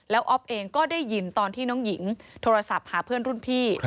แล้วอ๊อฟเองก็ได้ยินตอนที่น้องหญิงโทรศัพท์หาเพื่อนรุ่นพี่